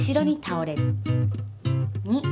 ２。